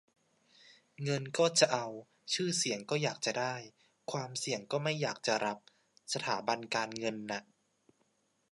เงินก็จะเอา ชื่อเสียงก็อยากจะได้ ความเสี่ยงก็ไม่อยากจะรับ สถาบันการเงินน่ะ